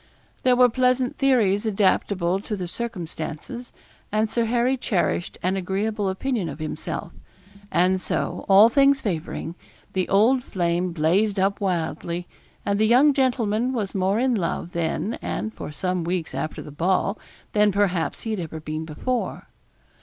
There were pleasant theories adaptable to the circumstances; and Sir Harry cherished an agreeable opinion of himself; and so, all things favouring; the old flame blazed up wildly, and the young gentleman was more in love then, and for some weeks after the ball, than perhaps he had ever been before.